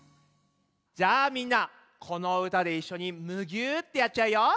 じゃあみんなこのうたでいっしょにムギューってやっちゃうよ。